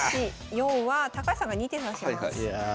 ４は高橋さんが２手指します。